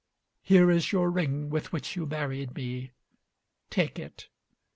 Here is your ring with which you married me; take it.